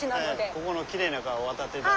ここのきれいな川を渡って頂きます。